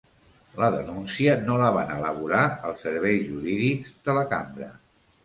La denúncia no la van elaborar els serveis jurídics de la cambra.